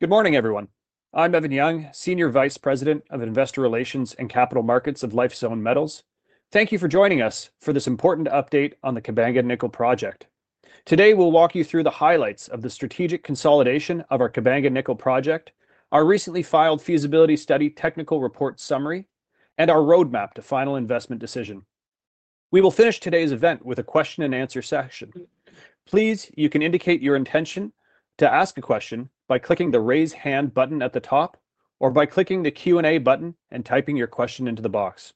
Good morning everyone. I'm Evan Young, Senior Vice President of Investor Relations and Capital Markets of Lifezone Metals. Thank you for joining us for this important update on the Kabanga Nickel Project. Today we'll walk you through the highlights of the strategic consolidation of our Kabanga Nickel Project, our recently filed feasibility study technical report summary, and our roadmap to final investment decision. We will finish today's event with a question and answer session. Please. You can indicate your intention to ask a question by clicking the Raise Hand button at the top or by clicking the Q and A button and typing your question into the box.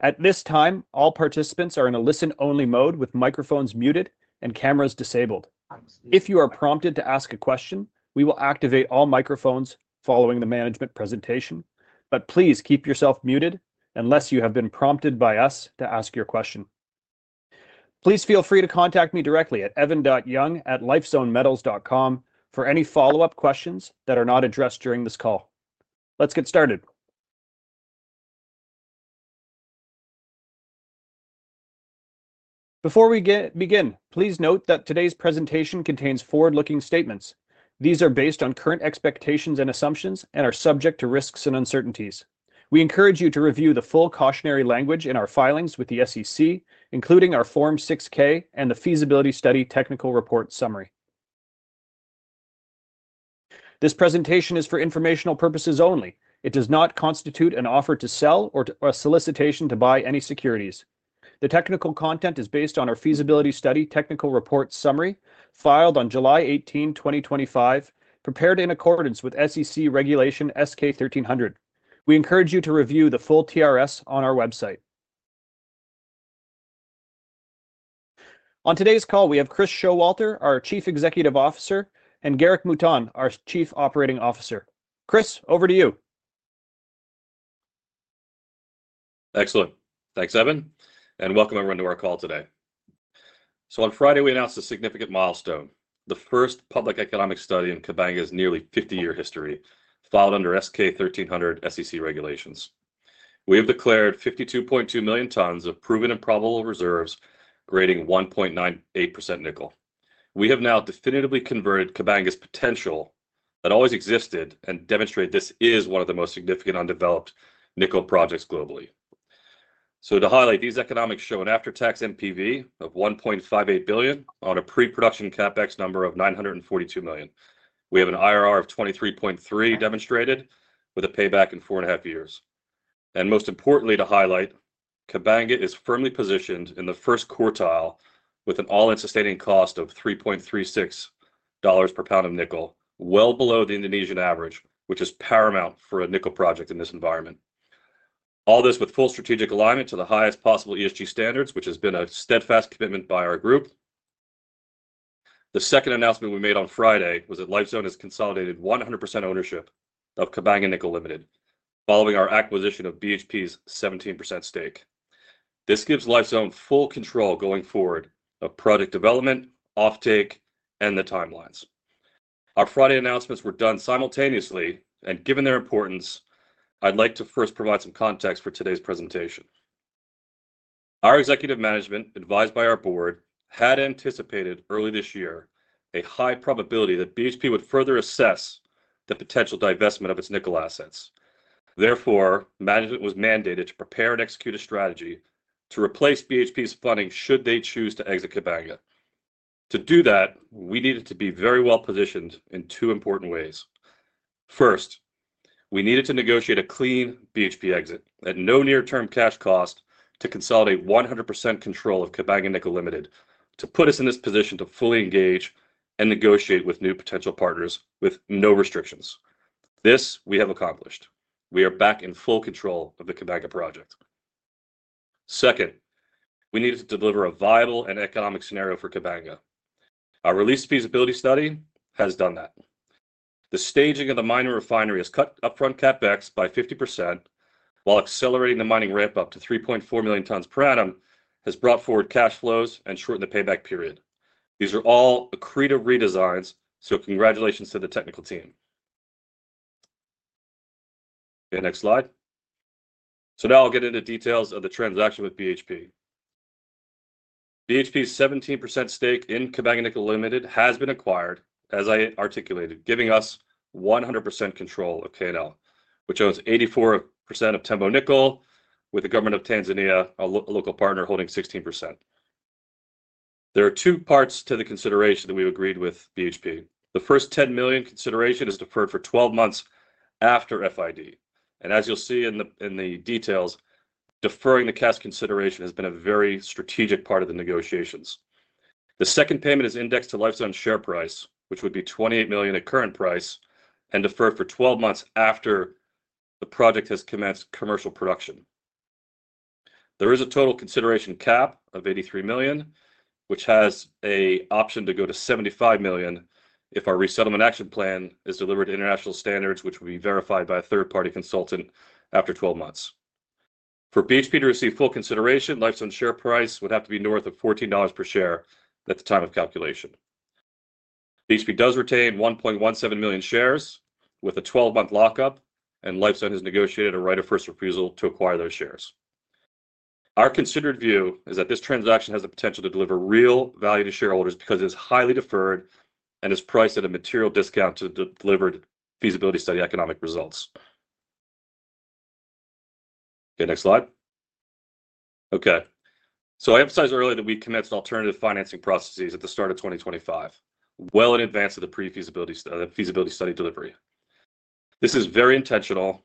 At this time, all participants are in a listen-only mode with microphones muted and cameras disabled. If you are prompted to ask a question, we will activate all microphones following the management presentation. Please keep yourself muted unless you have been prompted by us to ask your question. Please feel free to contact me directly at evan.young@lifezonemetals.com for any follow-up questions that are not addressed during this call. Let's get started. Before we begin, please note that today's presentation contains forward-looking statements. These are based on current expectations and assumptions and are subject to risks and uncertainties. We encourage you to review the full cautionary language in our filings with the SEC, including our Form 6-K and the feasibility study technical report summary. This presentation is for informational purposes only. It does not constitute an offer to sell or a solicitation to buy any securities. The technical content is based on our feasibility study technical report summary filed on July 18, 2025, prepared in accordance with SEC Regulation S-K 1300. We encourage you to review the full TRS on our website. On today's call we have Chris Showalter, our Chief Executive Officer, and Garrick Mouton, our Chief Operating Officer. Chris, over to you. Excellent. Thanks Evan and welcome everyone to our call today. On Friday we announced a significant milestone, the first public economic study in Kabanga's nearly 50-year history. Filed under SK1300 SEC regulations, we have declared 52.2 million tons of proven and probable reserves grading 1.98% nickel. We have now definitively converted Kabanga's potential that always existed and demonstrate this is one of the most significant undeveloped nickel projects globally. To highlight, these economics show an after-tax NPV of TSh1.58 billion on a pre-production CapEx number of 942 million. We have an IRR of 23.3% demonstrated with a payback in four and a half years. Most importantly, Kabanga is firmly positioned in the first quartile with an all-in sustaining cost of $3.36 per pound of nickel, well below the Indonesian average, which is paramount for a nickel project in this environment. All this with full strategic alignment to the highest possible ESG standards, which has been a steadfast commitment by our group. The second announcement we made on Friday was that Lifezone Metals has consolidated 100% ownership of Kabanga Nickel Limited following our acquisition of BHP's 17% stake. This gives Lifezone Metals full control going forward of product development, offtake, and the timelines. Our Friday announcements were done simultaneously and given their importance I'd like to first provide some context for today's presentation. Our executive management, advised by our board, had anticipated early this year a high probability that BHP would further assess the potential divestment of its nickel assets. Therefore, management was mandated to prepare and execute a strategy to replace BHP's funding should they choose to exit Kabanga. To do that we needed to be very well positioned in two important ways. First, we needed to negotiate a clean BHP exit at no near-term cash cost to consolidate 100% control of Kabanga Nickel Limited to put us in this position to fully engage and negotiate with new potential partners with no restrictions. This we have accomplished. We are back in full control of the Kabanga project. Second, we needed to deliver a viable and economic scenario for Kabanga. Our released feasibility study has done that. The staging of the mine and refinery has cut upfront CapEx by 50% while accelerating the mining ramp up to 3.4 million tons per annum, has brought forward cash flows and shortened the payback period. These are all accretive redesigns, so congratulations to the technical team. Okay, next slide. Now I'll get into details of the transaction with BHP. BHP's 17% stake in Kabanga Nickel Limited has been acquired as I articulated, giving us 100% control of KNL, which owns 84% of Tembo Nickel with the government of Tanzania, a local partner, holding 16%. There are two parts to the consideration that we've agreed with BHP. The first TSh10 million consideration is deferred for 12 months after FID, and as you'll see in the details, deferring the cash consideration has been a very strategic part of the negotiations. The second payment is indexed to Lifezone share price, which would be TSh28 million at current price and deferred for 12 months after the project has commenced commercial production. There is a total consideration cap of TSh83 million, which has an option to go to TSh75 million if our resettlement action plan is delivered to international standards, which will be verified by a third-party consultant after 12 months. For BHP to receive full consideration, Lifezone share price would have to be north of $14 per share at the time of calculation. BHP does retain 1.17 million shares with a 12-month lockup, and Lifezone has negotiated a right of first refusal to acquire those shares. Our considered view is that this transaction has the potential to deliver real value to shareholders because it is highly deferred and is priced at a material discount to delivered feasibility study economic results. Okay, next slide. I emphasized earlier that we commenced alternative financing processes at the start of 2025, well in advance of the pre-feasibility and feasibility study delivery. This is very intentional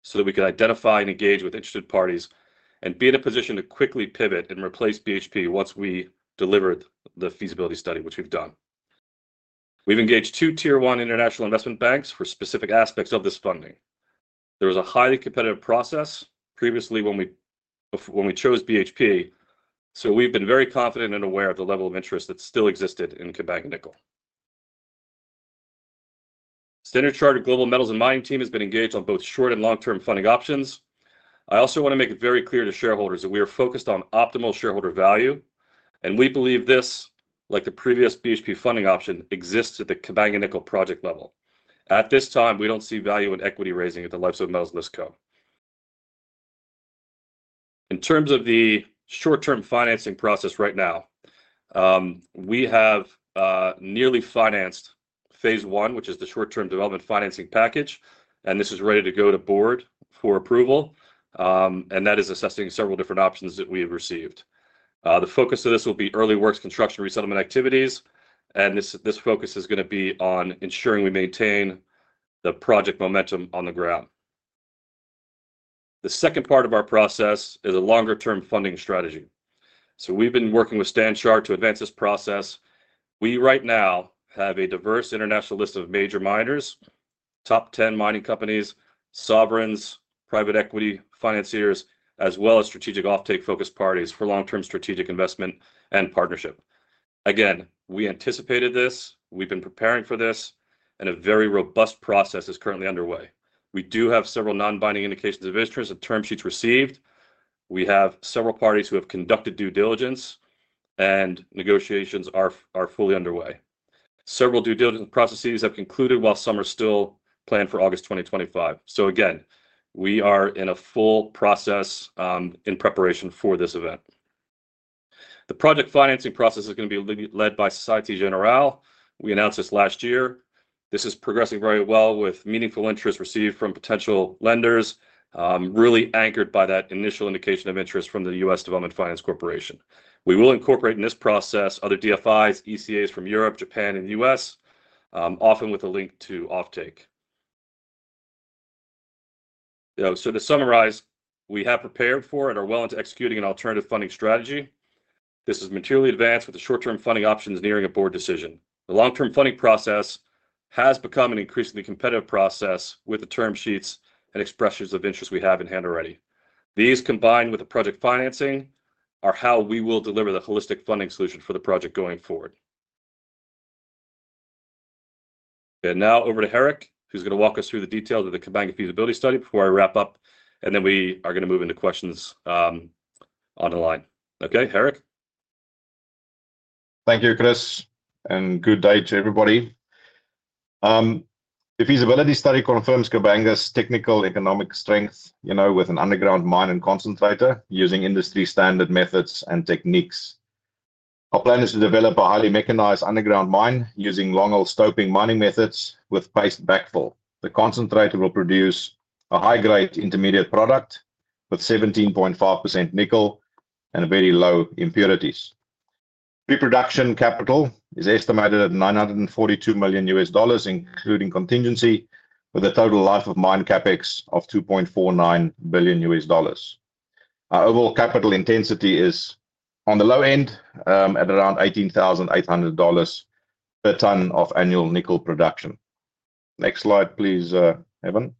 so that we can identify and engage with interested parties and be in a position to quickly pivot and replace BHP once we delivered the feasibility study, which we've done. We've engaged two tier one international investment banks for specific aspects of this funding. There was a highly competitive process previously when we chose BHP, so we've been very confident and aware of the level of interest that still existed in Kabanga Nickel. Standard Chartered Global Metals and Mining Team has been engaged on both short and long-term funding options. I also want to make it very clear to shareholders that we are focused on optimal shareholder value, and we believe this, like the previous BHP funding option, exists at the Kabanga Nickel Project level. At this time we don't see value in equity raising at Lifezone Metals in terms of the short term financing process. Right now we have nearly financed phase one, which is the short term development financing package, and this is ready to go to board for approval. That is assessing several different options that we have received. The focus of this will be early works, construction, resettlement activities, and this focus is going to be on ensuring we maintain the project momentum on the ground. The second part of our process is a longer term funding strategy. We've been working with Standard Chartered to advance this process. We right now have a diverse international list of major miners, top 10 mining companies, sovereigns, private equity financiers, as well as strategic offtake focused parties for long term strategic investment and partnership. We anticipated this, we've been preparing for this, and a very robust process is currently underway. We do have several non-binding indications of interest, the term sheets received. We have several parties who have conducted due diligence and negotiations are fully underway. Several due diligence processes have concluded while some are still planned for August 2025. We are in a full process in preparation for this event. The project financing process is going to be led by Société Générale. We announced this last year. This is progressing very well with meaningful interest received from potential lenders, really anchored by that initial indication of interest from the U.S. Development Finance Corporation. We will incorporate in this process other DFIs, ECAs from Europe, Japan, and U.S., often with a link to offtake. To summarize, we have prepared for and are well into executing an alternative funding strategy. This is materially advanced with the short term funding options nearing a board decision. The long term funding process has become an increasingly competitive process with the term sheets and expressions of interest we have in hand already. These combined with the project financing are how we will deliver the holistic funding solution for the project going forward. Now over to Garrick, who's going to walk us through the details of the combined feasibility study before I wrap up. Then we are going to move into questions on the line. Okay, Garrick. Thank you Chris and good day to everybody. The feasibility study confirms Kabanga's technical economic strength, with an underground mine and concentrator using industry standard methods and techniques. Our plan is to develop a highly mechanized underground mine using long hole stoping mining methods with paste backfill. The concentrator will produce a high grade intermediate product with 17.5% nickel and very low impurities. Pre-production capital is estimated at $942 million including contingency, with a total life of mine capex of $2.49 billion. Our overall capital intensity is on the low end at around $18,800 per tonne of annual nickel production. Next slide please, Evan.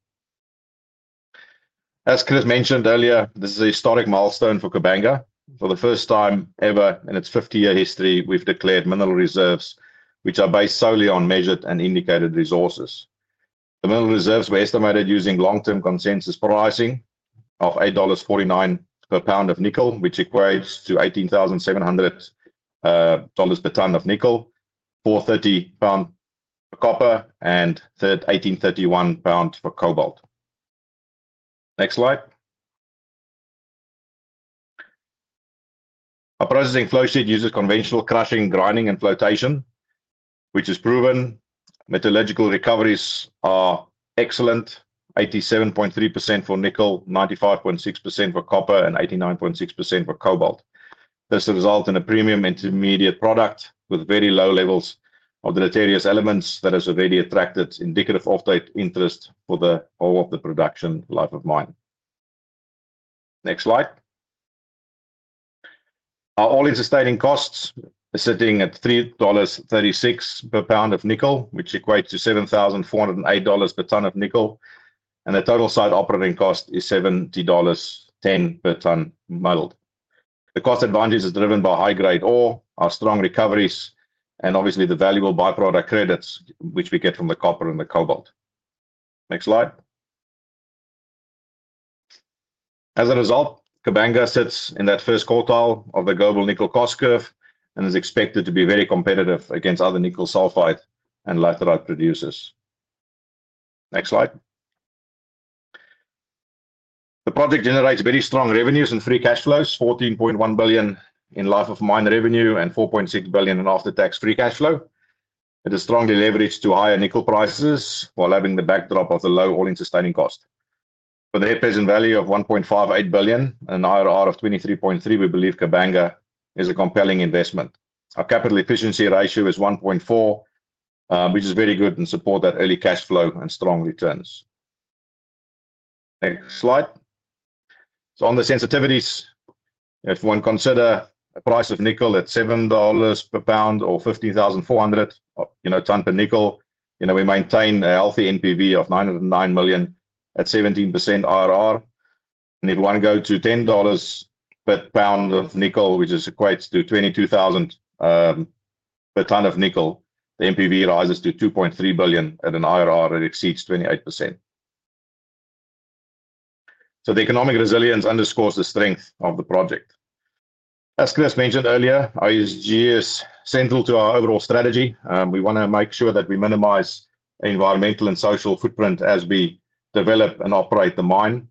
As Chris mentioned earlier, this is a historic milestone for Kabanga. For the first time ever in its 50 year history we've declared mineral reserves which are based solely on measured and indicated resources. The mineral reserves were estimated using long term consensus pricing of $8.49 per pound of nickel which equates to $18,700 per tonne of nickel, $4.30 per pound copper and $18.31 per pound for cobalt. Next slide. A processing flowsheet uses conventional crushing, grinding, and flotation, which is proven. Metallurgical recoveries are excellent: 87.3% for nickel, 95.6% for copper, and 89.6% for cobalt. This results in a premium intermediate product with very low levels of the notorious elements that has already attracted indicative offtake interest for the whole of the production life of mine. Next slide. Our all-in sustaining costs are sitting at $3.36 per pound of nickel, which equates to $7,408 per ton of nickel, and the total site operating cost is $70.10 per ton. Modeled. The cost advantage is driven by high-grade ore, our strong recoveries, and obviously the valuable byproduct credits which we get from the copper and the cobalt. Next slide. As a result, Kabanga sits in that first quartile of the global nickel cost curve and is expected to be very competitive against other nickel sulfide and laterite producers. Next slide. The project generates very strong revenues and free cash flows: TSh14.1 billion in life of mine revenue and TSh4.6 billion in after-tax free cash flow. It is strongly leveraged to higher nickel prices while having the backdrop of the low all-in sustaining cost. For the net present value of TSh1.58 billion, an IRR of 23.3%. We believe Kabanga is a compelling investment. Our capital efficiency ratio is 1.4, which is very good and supports that early cash flow and strong returns. Next slide. On the sensitivities, if one considers a price of nickel at $7 per pound or $15,400 per ton of nickel, we maintain a healthy NPV of TSh909 million at 17% IRR. If one goes to $10 per pound of nickel, which equates to $22,000 a ton of nickel, the NPV rises to TSh2.3 billion. At an IRR, it exceeds 28%. The economic resilience underscores the strength of the project. As Chris mentioned earlier, ESG is central to our overall strategy. We want to make sure that we minimize environmental and social footprint as we develop and operate the mine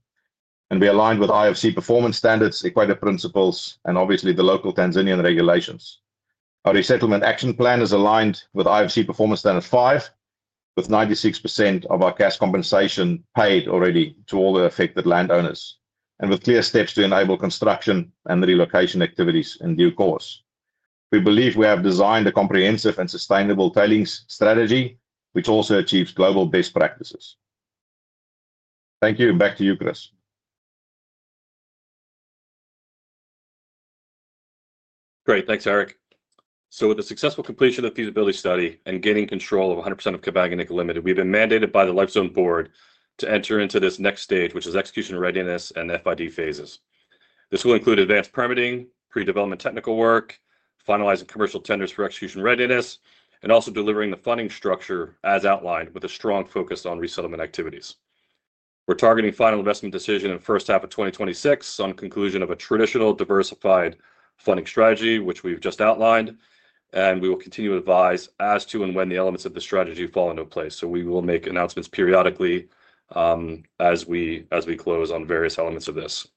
and be aligned with IFC Performance Standards, Equator Principles, and obviously the local Tanzanian regulations. Our resettlement action plan is aligned with IFC Performance Standard 5. With 96% of our cash compensation paid already to all the affected landowners and with clear steps to enable construction and relocation activities in due course, we believe we have designed a comprehensive and sustainable tailings strategy which also achieves global best practices. Thank you. Back to you, Chris. Great, thanks Eric. With the successful completion of the feasibility study and gaining control of 100% of Kabanga Nickel Limited, we've been mandated by the Lifezone Board to enter into this next stage, which is execution readiness and FID phases. This will include advanced permitting, pre-development technical work, finalizing commercial tenders for execution readiness, and also delivering the funding structure as outlined, with a strong focus on resettlement activities. We're targeting final investment decision in the first half of 2026 on conclusion of a traditional diversified funding strategy, which we've just outlined. We will continue to advise as to and when the elements of the strategy fall into place. We will make announcements periodically as we close on various elements of this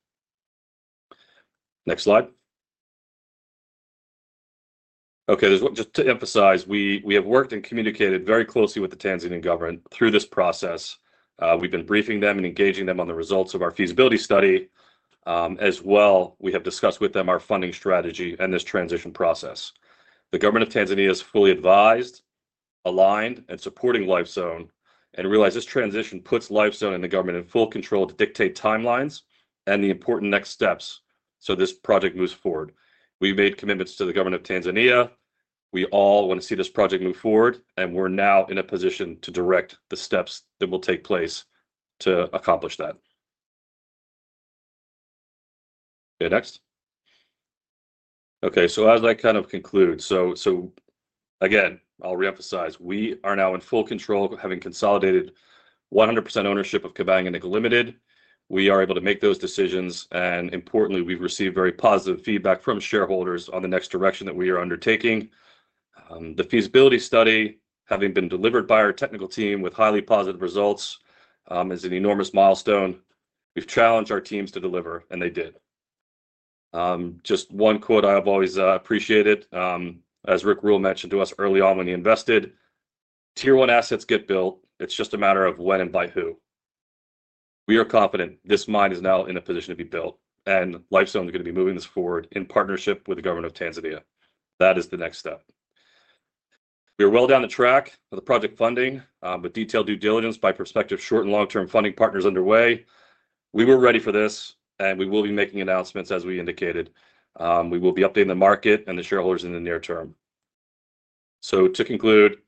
next slide. Just to emphasize, we have worked and communicated very closely with the Tanzanian government through this process. We've been briefing them and engaging them on the results of our feasibility study as well. We have discussed with them our funding strategy and this transition process. The government of Tanzania is fully advised, aligned, and supporting Lifezone and realizes this transition puts Lifezone and the government in full control to dictate timelines and the important next steps. This project moves forward. We made commitments to the government of Tanzania. We all want to see this project move forward. We're now in a position to direct the steps that will take place to accomplish that next. As I conclude, I'll reemphasize, we are now in full control. Having consolidated 100% ownership of Kabanga Nickel Limited, we are able to make those decisions, and importantly, we've received very positive feedback from shareholders on the next direction that we are undertaking. The feasibility study, having been delivered by our technical team with highly positive results, is an enormous milestone. We've challenged our teams to deliver, and they did. Just one quote I have always appreciated, as Rick Rule mentioned to us early on when he invested: Tier one assets get built. It's just a matter of when and by who. We are confident this mine is now in a position to be built, and Lifezone is going to be moving this forward in partnership with the government of Tanzania. That is the next step. We are well down the track of the project funding, with detailed due diligence by prospective short and long-term funding partners underway. We were ready for this, and we will be making announcements. As we indicated, we will be updating the market and the shareholders in the near term. To conclude,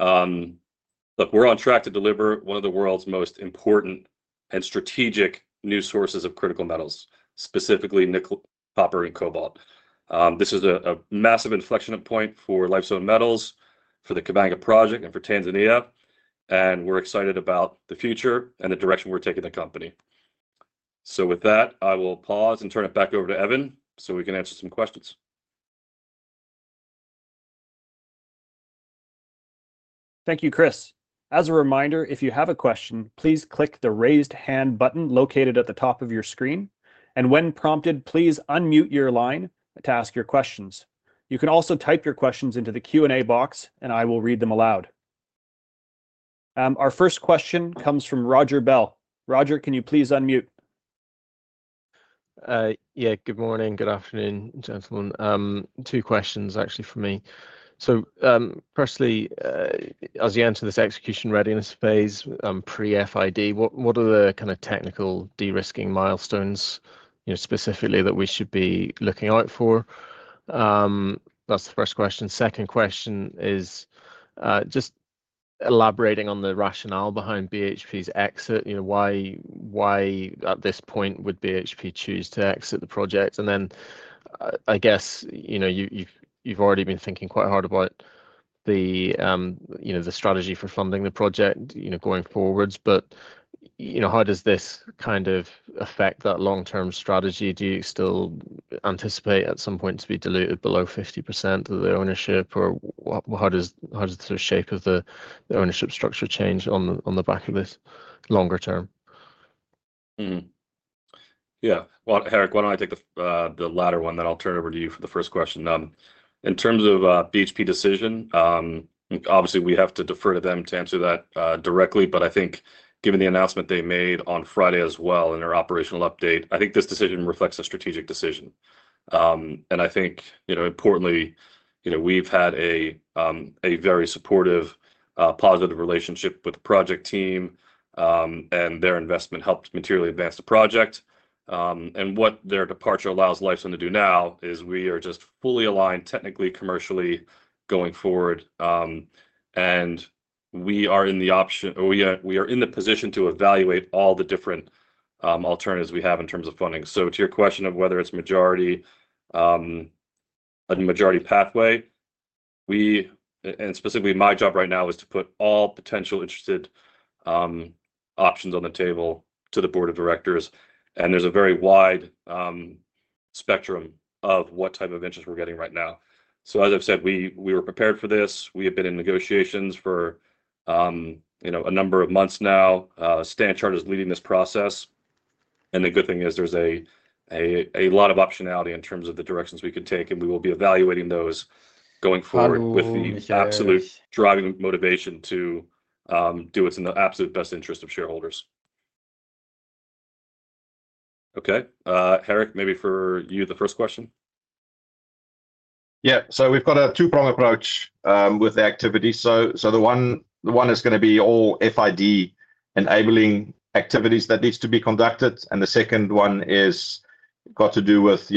look, we're on track to deliver one of the world's most important and strategic new sources of critical metals, specifically nickel, copper, and cobalt. This is a massive inflection point for Lifezone Metals, for the Kabanga Nickel Project, and for Tanzania. We're excited about the future and the direction we're taking the company. With that, I will pause and turn it back over to Evan so we can answer some questions. Thank you, Chris. As a reminder, if you have a question, please click the Raised Hand button located at the top of your screen, and when prompted, please unmute your line to ask your questions. You can also type your questions into the Q&A box and I will read them aloud. Our first question comes from Roger Bell. Roger, can you please unmute? Yeah. Good morning. Good afternoon gentlemen. Two questions actually for me. Firstly, as you enter this execution readiness phase pre FID, what are the kind of technical de-risking milestones specifically that we should be looking out for? That's the first question. Second question is just elaborating on the rationale behind BHP's exit. Why at this point would BHP choose to exit the project? I guess you've already been thinking quite hard about the strategy for funding the project going forwards, but how does this kind of affect that long-term strategy? Do you still anticipate at some point to be diluted below 50% of the ownership, or how does the shape of the ownership structure change on the back of this longer term? Yeah. Eric, why don't I take the latter one then I'll turn over to you for the first question. In terms of BHP decision, obviously we have to defer to them to answer that directly, but I think given the announcement they made on Friday as well in their operational update, I think this decision reflects a strategic decision and I think importantly we've had a very supportive, positive relationship with the project team and their investment helped materially advance the project. What their departure allows Lifezone to do now is we are just fully aligned technically, commercially going forward and we are in the position to evaluate all the different alternatives we have in terms of funding. To your question of whether it's majority, a majority pathway, we and specifically my job right now is to put all potential interested options on the table to the board of directors and there's a very wide spectrum of what type of interest we're getting right now. As I've said, we were prepared for this. We have been in negotiations for a number of months now. Standard Chartered is leading this process and the good thing is there's a lot of optionality in terms of the directions we could take and we will be evaluating those going forward with the absolute driving motivation to do what's in the absolute best interest of shareholders. Okay, Garrick, maybe for you the first question. Yeah, so we've got a two-prong approach with the activity. The one is going to be all FID-enabling activities that need to be conducted, and the second one has to do with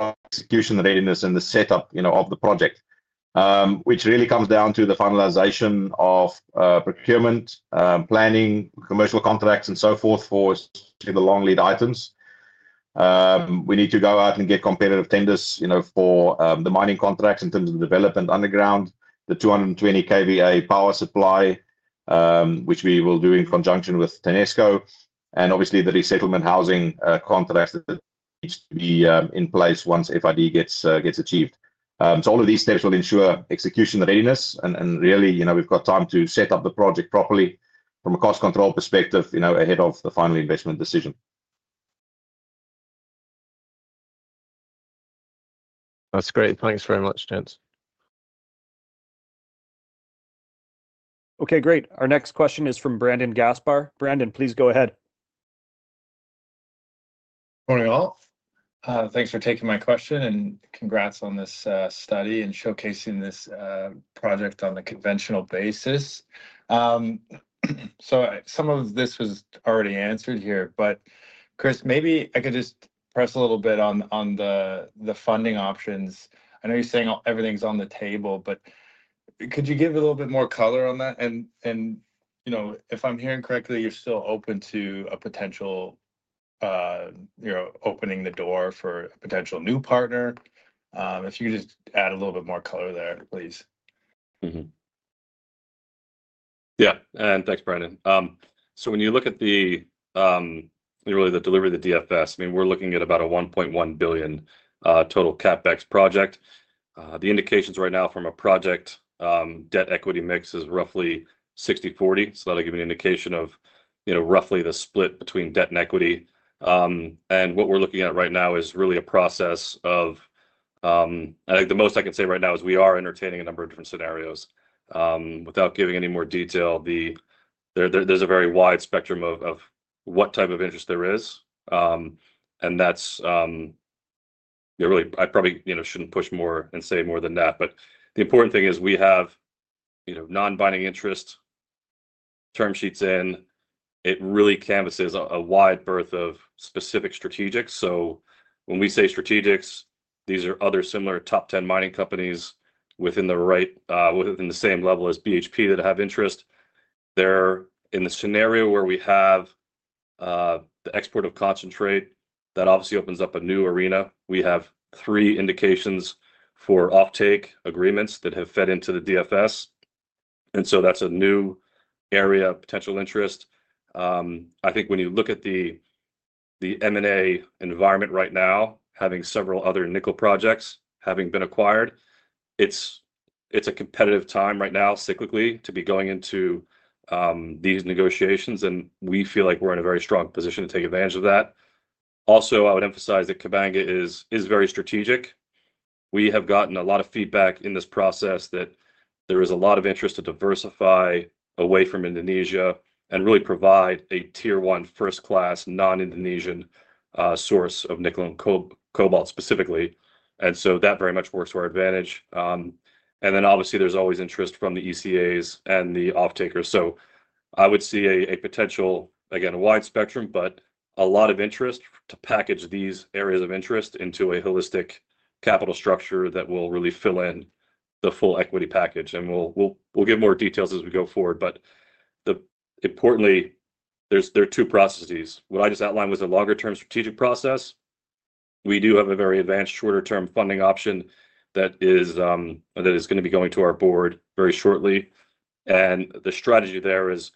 execution readiness and the setup of the project, which really comes down to the finalization of procurement planning, commercial contracts, and so forth. For the long lead items, we need to go out and get competitive tenders for the mining contracts in terms of development underground, the 220 kVA power supply, which we will do in conjunction with Tesco, and obviously the resettlement housing contracts in place once FID gets achieved. All of these steps will ensure execution readiness, and really, we've got time to set up the project properly from a cost control perspective ahead of the final investment decision. That's great. Thanks very much, gents. Okay, great. Our next question is from Brandon Gaspar. Brandon, please go ahead. Morning all. Thanks for taking my question and congrats on this study and showcasing this project on a conventional basis. Some of this was already answered here, but Chris, maybe I could just press a little bit on the funding options. I know you're saying everything's on the table, but could you give a little bit more color on that? If I'm hearing correctly, you're still open to a potential. Opening the door for a potential new partner. If you just add a little bit More color there please Yeah, and thanks Brandon. When you look at the delivery of the DFS, we're looking at about a TSh1.1 billion total CapEx project. The indications right now from a project debt equity mix is roughly 60/40, so that'll give you an indication of roughly the split between debt and equity. What we're looking at right now is really a process of, I think the most I can say right now is we are entertaining a number of different scenarios without giving any more detail. There's a very wide spectrum of what type of interest there is, and I probably shouldn't push more and say more than that, but the important thing is we have non-binding interest term sheets in. It really canvases a wide berth of specific strategics. When we say strategics, these are other similar top 10 mining companies within the same level as BHP that have interest. They're in the scenario where we have the export of concentrate; that obviously opens up a new arena. We have three indications for offtake agreements that have fed into the DFS, and that's a new area of potential interest. When you look at the M&A environment right now, having several other nickel projects having been acquired, it's a competitive time right now cyclically to be going into these negotiations, and we feel like we're in a very strong position to take advantage of that. I would emphasize that Kabanga is very strategic. We have gotten a lot of feedback in this process that there is a lot of interest to diversify away from Indonesia and really provide a tier 1, first class, non-Indonesian source of nickel and cobalt specifically. That very much works to our advantage. Obviously, there's always interest from the ECAs and the off-takers. I would see a potential, again a wide spectrum, but a lot of interest to package these areas of interest into a holistic capital structure that will really fill in the full equity package. We'll give more details as we go forward. Importantly, there are two processes. What I just outlined was a longer term strategic process. We do have a very advanced shorter term funding option that is going to be going to our board very shortly. The strategy there is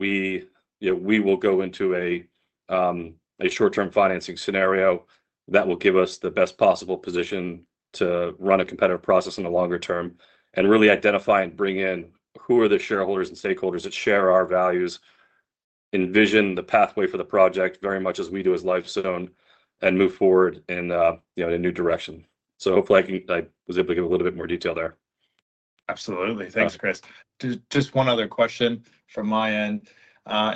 we will go into a short term financing scenario that will give us the best possible position to run a competitive process in the longer term and really identify and bring in who are the shareholders and stakeholders that share our values, envision the pathway for the project very much as we do as Lifezone Metals, and move forward in a new direction. Hopefully, I was able to give a little bit more detail there. Absolutely. Thanks Chris. Just one other question from my end.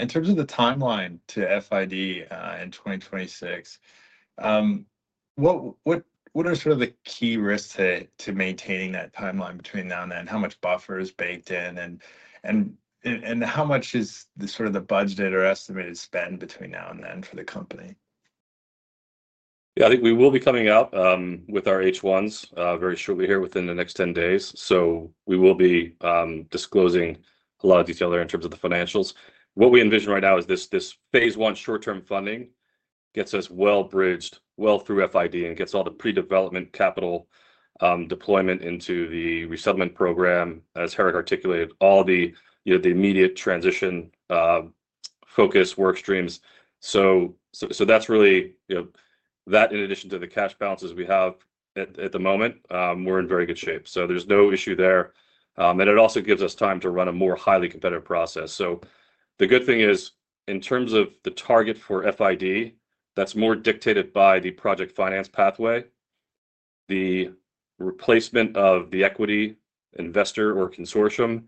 In terms of the timeline to FID in 2026. What are sort of the. Key risks to maintaining that timeline between now and then? How much buffer is baked in, and how much is the budgeted or estimated spend between now and then for the company? Yeah, I think we will be coming out with our H1s very shortly here within the next 10 days. We will be disclosing a lot of detail in terms of the financials. What we envision right now is this phase one short term funding gets us well bridged well through FID and gets all the pre-development capital deployment into the resettlement program as Garrick articulated, all the immediate transition focus work streams. That in addition to the cash balances we have at the moment, we're in very good shape. There's no issue there. It also gives us time to run a more highly competitive process. The good thing is in terms of the target for FID, that's more dictated by the project finance pathway. The replacement of the equity investor or consortium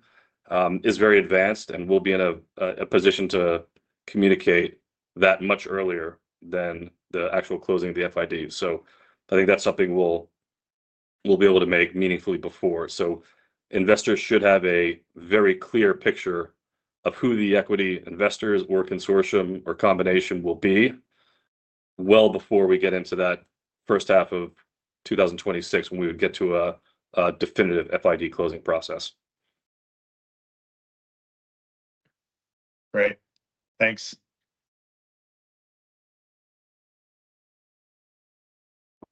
is very advanced and we'll be in a position to communicate that much earlier than the actual closing of the FID. I think that's something we will be able to make meaningfully before. Investors should have a very clear picture of who the equity investors or consortium or combination will be well before we get into that first half of 2026 when we would get to a definitive FID closing process. Great, thank you.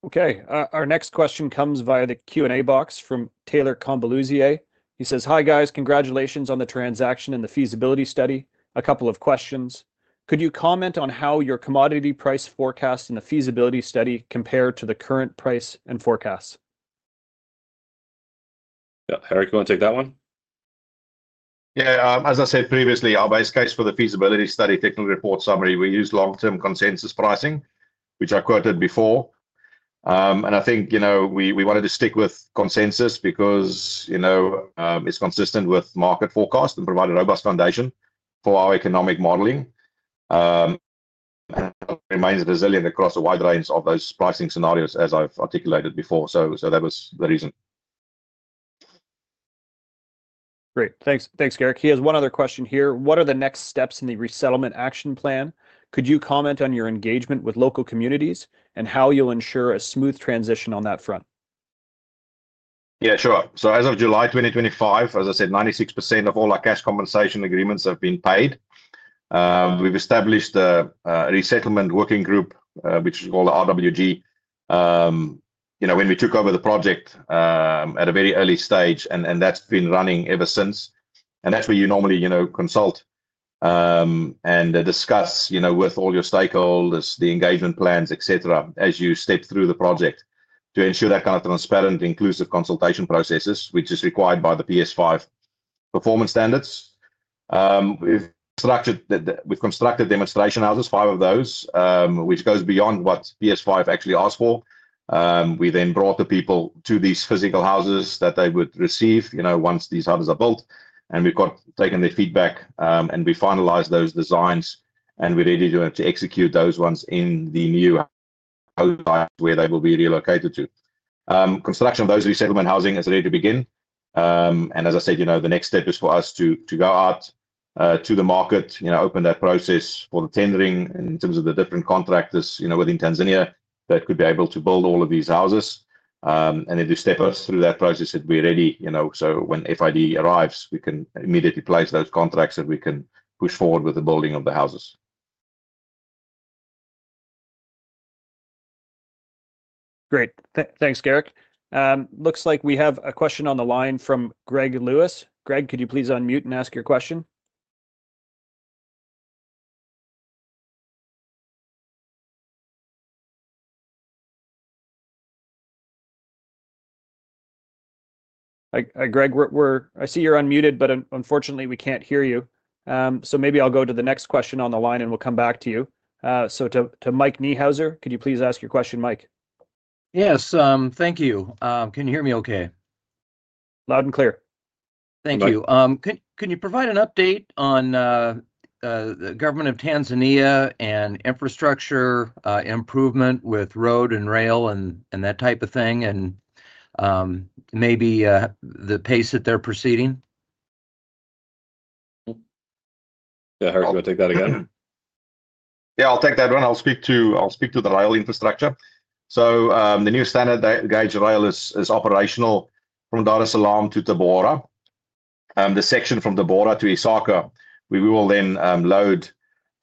Okay, our next question comes via the Q and A box from Taylor Convoluzier. He says, Hi guys. Congratulations on the transaction and the feasibility study. A couple of questions. Could you comment on how your commodity price forecast and the feasibility study compare to the current price and forecasts? Eric, you want to take that one? Yeah As I said previously, our base case for the feasibility study technical report summary, we use long term consensus pricing, which I quoted before. I think we wanted to stick with consensus because it's consistent with market forecast and provides a robust foundation for our economic modeling, remains resilient across a wide range of those pricing scenarios, as I've articulated before. That was the reason. Great, thanks. Thanks, Garrick. He has one other question here. What are the next steps in the resettlement action plan? Could you comment on your engagement with local communities and how you'll ensure a smooth transition on that front? Yeah, sure. As of July 2025, as I said, 96% of all our cash compensation agreements have been paid. We've established a resettlement working group, which is called RWG. You know, when we took over the project at a very early stage, that's been running ever since. That's where you normally consult and discuss with all your stakeholders, the engagement plans, etc., as you step through the project. To ensure that kind of transparent, inclusive consultation processes which is required by the PS5 Performance Standards, we've structured that. We've constructed demonstration houses, five of those, which goes beyond what PS5 actually asks for. We then brought the people to these physical houses that they would receive once these houses are built, and we've taken their feedback and we finalized those designs. We really do have to execute those ones in the new area where they will be relocated to. Construction of those resettlement housing is ready to begin. As I said, the next step is for us to go out to the market, open that process for the tendering in terms of the different contractors within Tanzania that could be able to build all of these houses, and then to step us through that process that we're ready, so when FID arrives, we can immediately place those contracts that we can push forward with the building of the houses. Great, thanks, Garrick. Looks like we have a question on the line from Greg Lewis. Greg, could you please unmute and ask your question? Greg, I see you're unmuted, but unfortunately we can't hear you. Maybe I'll go to the next question on the line and we'll come back to you. To Mike Niehauser, could you please ask your question? Mike? Yes, thank you. Can you hear me okay? Loud and clear. Thank you. Can you provide an update on the government of Tanzania and infrastructure improvement with road and rail and that type of thing, and maybe the pace that they're proceeding? Yeah, do I take that again? Yeah, I'll take that one. I'll speak to the rail infrastructure. The new Standard Gauge Railway is operational from Dar es Salaam to Tabora. The section from Tabora to Isaka, we will then load.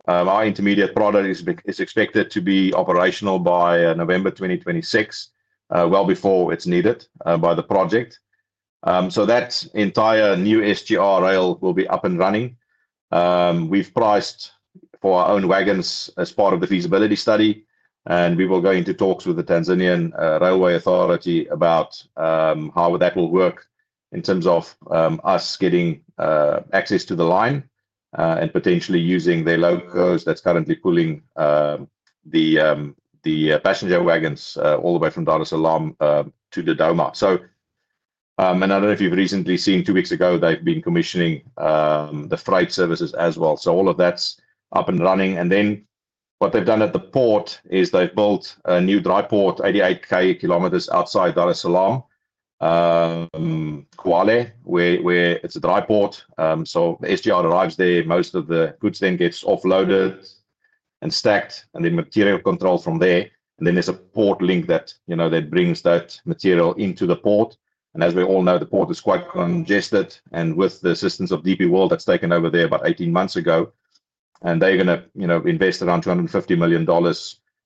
Our intermediate product is expected to be operational by November 2026, well before it's needed by the project. That entire new Standard Gauge Railway will be up and running. We've priced for our own wagons as part of the feasibility study, and we will go into talks with the Tanzanian Railway Authority about how that will work in terms of us getting access to the line and potentially using their locos that are currently pulling the passenger wagons all the way from Dar es Salaam to Dodoma. I don't know if you've recently seen, two weeks ago, they've been commissioning the freight services as well. All of that's up and running. What they've done at the port is they've built a new dry port 88 kilometers outside Dar es Salaam, Kwala, where it's a dry port. The Standard Gauge Railway arrives there, most of the goods then get offloaded and stacked, and then material control from there. There's a port link that brings that material into the port. As we all know, the port is quite congested. With the assistance of DP World, that's taken over there about 18 months ago, and they're going to invest around $250 million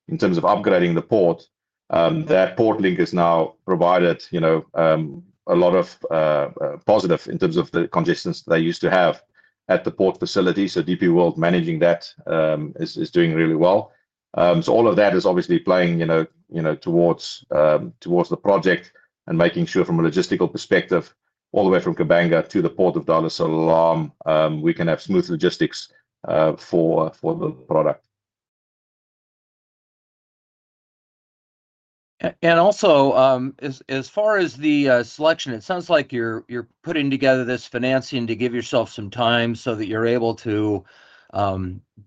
in terms of upgrading the port. That port link has now provided a lot of positive in terms of the congestion they used to have at the port facility. DP World managing that is doing really well. All of that is obviously playing towards the project and making sure from a logistical perspective all the way from Kabanga to the Port of Dar es Salaam we can have smooth logistics for the product. As far as the selection, it sounds like you're putting together this financing to give yourself some time so that you're able to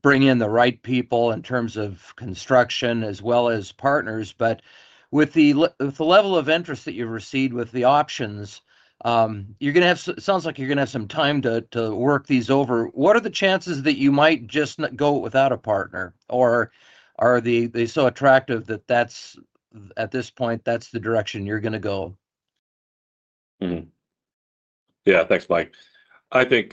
bring in the right people in terms of construction as well as partners. With the level of interest that you received with the options, it sounds like you're going to have some time to work these over. What are the chances that you might just go without a partner, or are they so attractive that at this point that's the direction you're going to go? Yeah, thanks Mike. I think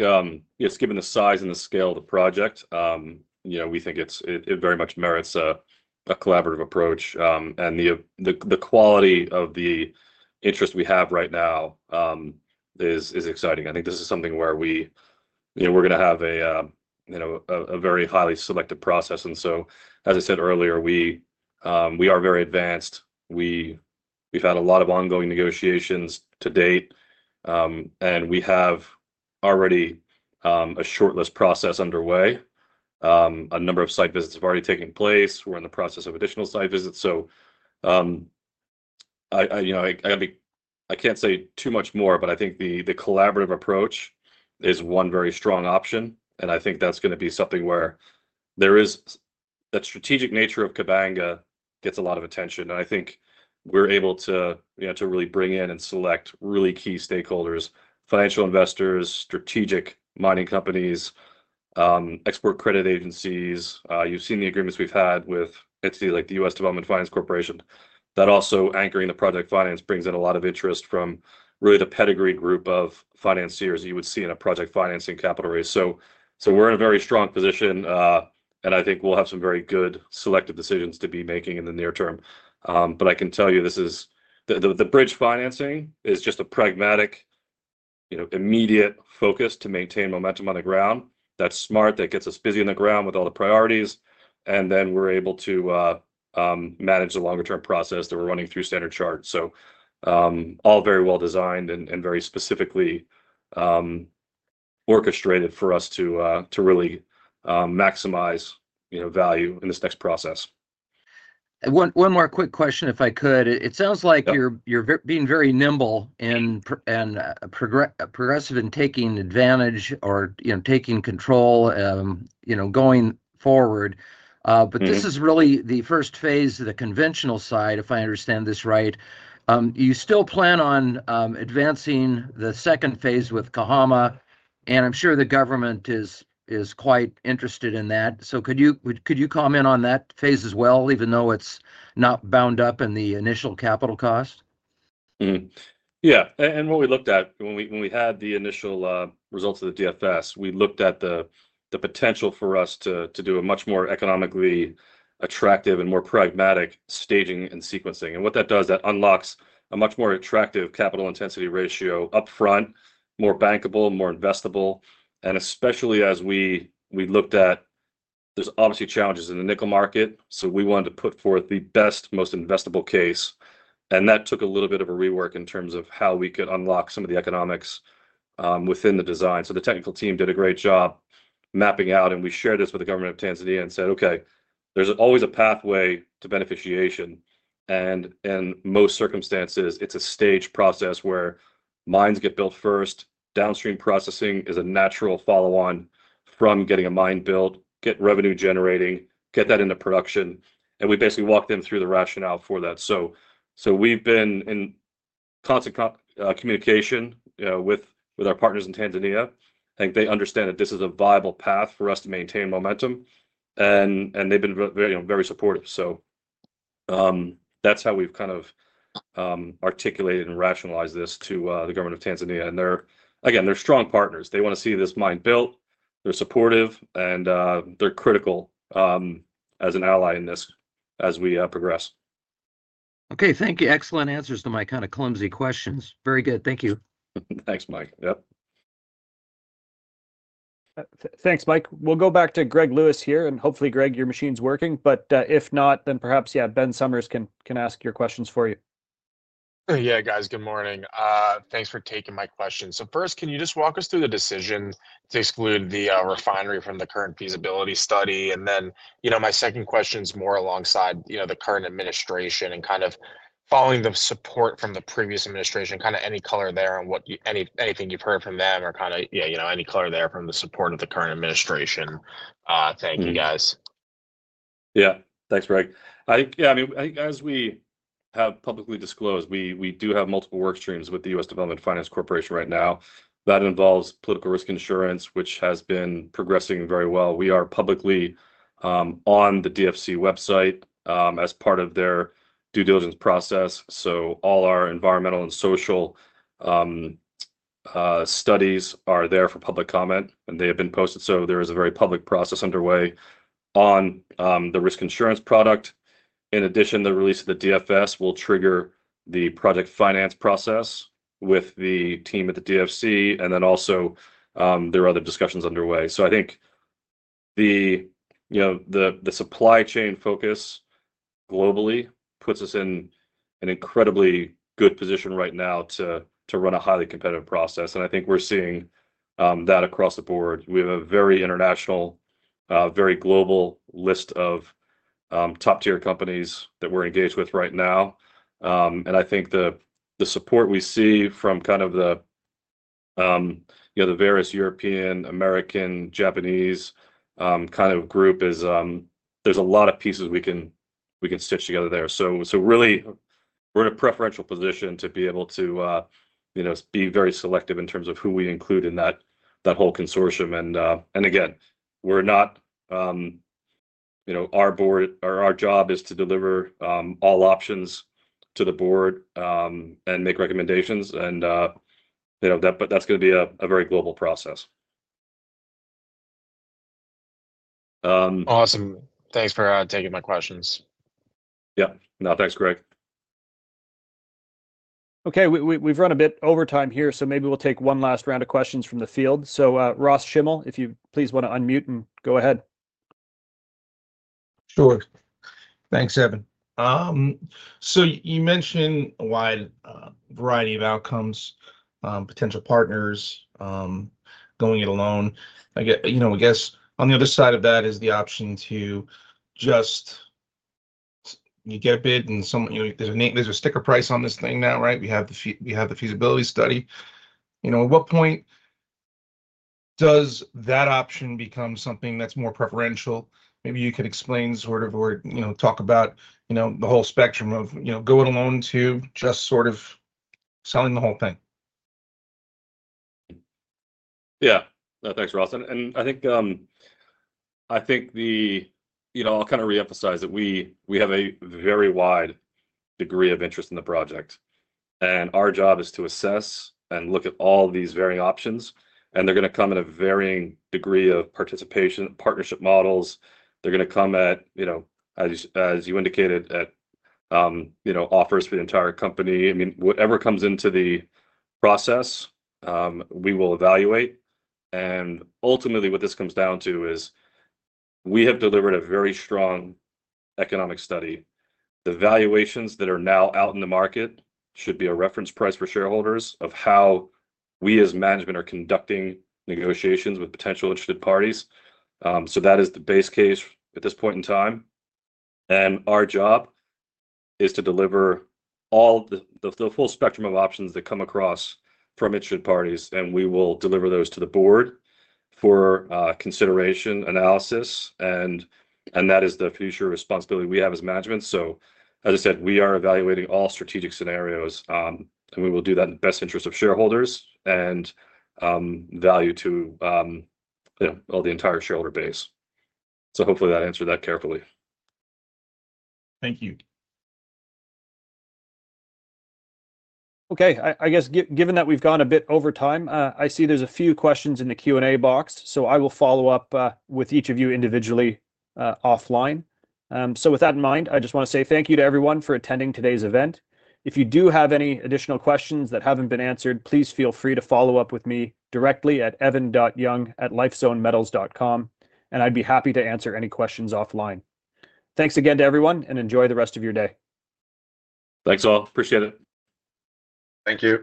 it's given the size and the scale of the project, we think it very much merits a collaborative approach, and the quality of the interest we have right now is exciting. I think this is something where we, you know, we're going to have a very highly selective process. As I said earlier, we are very advanced. We've had a lot of ongoing negotiations to date, and we have already a short list process underway. A number of site visits have already taken place. We're in the process of additional site visits. I can't say too much more, but I think the collaborative approach is one very strong option, and I think that's going to be something where that strategic nature of Kabanga gets a lot of attention. I think we're able to really bring in and select really key stakeholders: financial investors, strategic mining companies, export credit agencies. You've seen the agreements we've had with entities like the U.S. Development Finance Corporation that also anchoring the project finance brings in a lot of interest from really the pedigree group of financiers you would see in a project financing capital raise. We're in a very strong position, and I think we'll have some very good selective decisions to be making in the near term. I can tell you this is the bridge financing, it's just a pragmatic, immediate focus to maintain momentum on the ground. That's smart. That gets us busy on the ground with all the priorities, and then we're able to manage the longer term process that we're running through Standard Chartered. All very well designed and very specifically orchestrated for us to really maximize value in this next process. One more quick question if I could. It sounds like you're being very nimble and progressive in taking advantage or taking control, you know, going forward. This is really the first phase of the conventional side. If I understand this right, you still plan on advancing the second phase with Kahama and I'm sure the government is quite interested in that. Could you comment on that phase as well, even though it's not bound up in the initial capital cost? Yeah. What we looked at when we had the initial results of the DFS, we looked at the potential for us to do a much more economically attractive and more pragmatic staging and sequencing. What that does is unlock a much more attractive capital intensity ratio up front, more bankable, more investable. Especially as we looked at, there's obviously challenges in the nickel market. We wanted to put forth the best, most investable case and that took a little bit of a rework in terms of how we could unlock some of the economics within the design. The technical team did a great job mapping out and we shared this with the government of Tanzania and said, okay, there's always a pathway to beneficiation and in most circumstances it's a stage process where mines get built first. Downstream processing is a natural follow on from getting a mine built, get revenue generating, get that into production. We basically walk them through the rationale for that. We've been in constant communication with our partners in Tanzania and they understand that this is a viable path for us to maintain momentum and they've been very supportive. That's how we've kind of articulated and rationalized this to the government of Tanzania. They're strong partners, they want to see this mine built. They're supportive and they're critical as an ally in this as we progress. Okay, thank you. Excellent answers to my kind of clumsy questions. Very good. Thank you. Thanks, Mike. Yep. Thanks, Mike. We'll go back to Greg Lewis here and hopefully, Greg, your machine's working. If not, then perhaps Ben Summers can ask your questions for you. Good morning. Thanks for taking my question. First, can you walk us through the decision to exclude the refinery from the current feasibility study? My second question is more alongside the current administration and following the support from the previous administration, any color there and anything you've heard from them or any color there from the support of the current administration. Thank you. Yeah, thanks Greg. As we have publicly disclosed, we do have multiple work streams with the U.S. Development Finance Corporation right now that involves political risk insurance, which has been progressing very well. We are publicly on the DFC website as part of their due diligence process. All our environmental and social studies are there for public comment and they have been posted. There is a very public process underway on the risk insurance product. In addition, the release of the DFS will trigger the project finance process with the team at the DFC and there are other discussions underway. I think the supply chain focus globally puts us in an incredibly good position right now to run a highly competitive process. I think we're seeing that across the board. We have a very international, very global list of top tier companies that we're engaged with right now. I think the support we see from the various European, American, Japanese group is there's a lot of pieces we can stitch together there. We are in a preferential position to be able to be very selective in terms of who we include in that whole consortium. Our board or our job is to deliver all options to the board and make recommendations and you know that. That's going to be a very global process. Awesome. Thanks for taking my questions. Yeah, no, thanks, Greg. Okay, we've run a bit over time here, so maybe we'll take one last round of questions from the field. Ross Schimmel, if you please want to unmute and go ahead. Sure. Thanks, Evan. You mentioned a wide variety of outcomes, potential partners, going it alone. On the other side of that is the option to just, you get a bid and there's a sticker price on this thing now, right. We have the feasibility study. At what point does that option become something that's more preferential? Maybe you could explain or talk about the whole spectrum of going alone to just selling the whole thing. Yeah, thanks, Ross. I think the, you know, I'll kind of reemphasize that we have a very wide degree of interest in the project and our job is to assess and look at all these varying options. They're going to come in a varying degree of participation, partnership models. They're going to come at, you know, as you indicated, at offers for the entire company. I mean, whatever comes into the process, we will evaluate. Ultimately what this comes down to is we have delivered a very strong economic study. The valuations that are now out in the market should be a reference price for shareholders of how we as management are conducting negotiations with potential interested parties. That is the base case at this point in time. Our job is to deliver all the full spectrum of options that come across from interested parties, and we will deliver those to the board for consideration and analysis. That is the future responsibility we have as management. As I said, we are evaluating all strategic scenarios and we will do that in the best interest of shareholders and value to the entire shareholder base. Hopefully that answered that carefully. Thank you. Okay, I guess, given that we've gone a bit over time, I see there's a few questions in the Q&A box, so I will follow up with each of you individually offline. With that in mind, I just want to say thank you to everyone for attending today's event. If you do have any additional questions that haven't been answered, please feel free to follow up with me directly at evan.young@lifezonemetals.com and I'd be happy to answer any questions offline. Thanks again to everyone and enjoy the rest of your day. Thanks all. Appreciate it. Thank you.